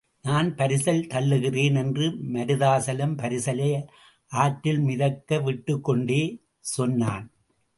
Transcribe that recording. நான் பரிசல் தள்ளுகிறேன் என்று மருதாசலம் பரிசலை ஆற்றில் மிதக்க விட்டுக்கொண்டே சொன்னான்.